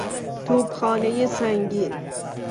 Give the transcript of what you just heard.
توپخانهی سنگین